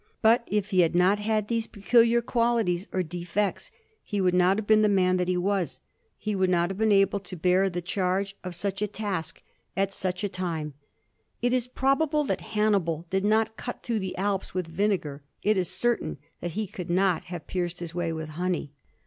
But if he had not had these peculiar qualities or defects he would not have been the man that he was ; he would not have been able to bear the charge of such a task at such a 1788. RELIGION OUT OF FASHION. 143 time. It is probable that Hannibal did not cnt through the Alps with vinegar ; it is certain that he could not have pierced his way with honey.